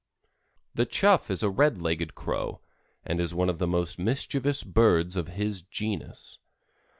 The Chough is a red legged Crow and is one of the most mischievous birds of his genus.